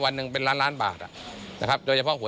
นะครับ